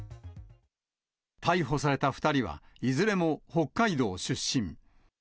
逮捕された２人は、いずれも北海道出身。